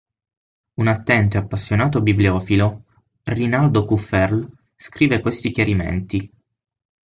Un attento e appassionato bibliofilo, Rinaldo Kufferle, scrive questi chiarimenti.